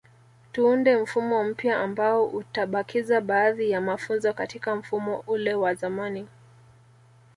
Tuunde mfumo mpya ambao utabakiza baadhi ya mafunzo katika mfumo ule wa zamani